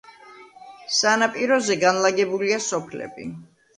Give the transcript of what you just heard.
სანაპიროზე განლაგებულია სოფლები.